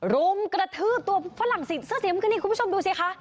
รุมกระทืบตัวฝรั่งเสื้อสีมันคือนี่คุณผู้ชมดูสิคะ